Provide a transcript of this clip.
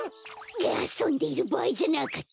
あそんでいるばあいじゃなかった。